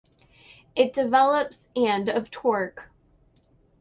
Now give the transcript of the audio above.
It develops and of torque.